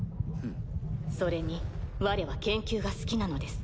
それにわれは研究が好きなのです。